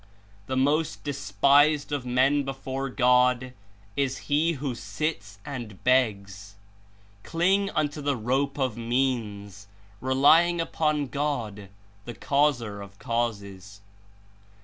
"The most despised of men before God Is he who sits and begs. Cling unto the rope of means, relying upon God, the Causer of causes.